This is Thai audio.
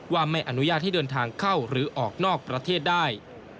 ว่าไม่อนุญาตให้เดินทางเข้าหรือออกนอกประเทศได้